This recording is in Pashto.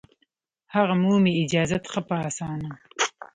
هغه مومي اجازت ښه په اسانه